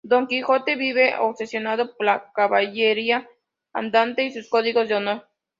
Don Quijote vive obsesionado por la caballería andante y sus códigos de honor.